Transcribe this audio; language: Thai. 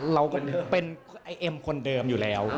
เราก็เป็นไอเอ็มคนเดิมอยู่แล้ว